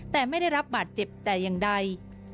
แต่ไม่ได้รับบาดเจ็บแต่อย่างใด